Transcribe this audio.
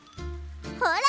ほら！